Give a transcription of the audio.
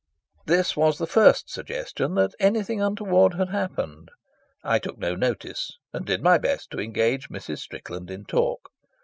This was the first suggestion that anything untoward had happened. I took no notice, and did my best to engage Mrs. Strickland in talk.